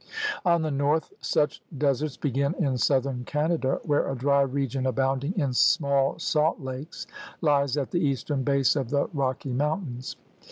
On the north such deserts begin in southern Canada where a dry region abounding in small salt lakes lies at the eastern base of the Rocky Mountains.